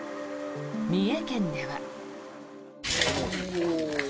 三重県では。